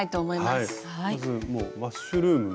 まずもうマッシュルーム。